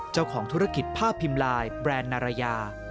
เจ้าของธุรกิจภาพพิมพ์ไลน์แบรนด์นารยา